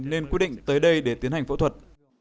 nên quy định tới đây để tiến hành phẫu thuật